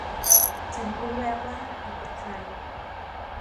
ฉันรู้แล้วว่ามันเป็นใคร